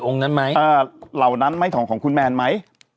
นั้นไหมเหล่านั้นไหมของของคุณแมนไหม